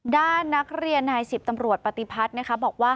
ด้านนักเรียนนาย๑๐ตำรวจปฏิพัฒน์นะคะบอกว่า